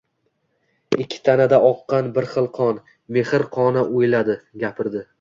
Ikki tanada oqqan bir xil qon – mehr qoni oʻyladi, gapirdi.